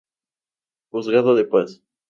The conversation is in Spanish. Juzgado de Paz.